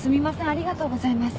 ありがとうございます。